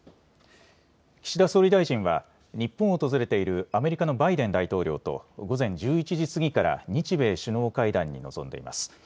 岸田総理大臣は日本を訪れているアメリカのバイデン大統領と午前１１時過ぎから日米首脳会談に臨んでいます。